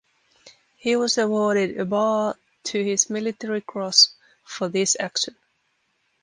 He was awarded a Bar to his Military Cross for this action.